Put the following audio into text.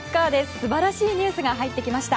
素晴らしいニュースが入ってきました。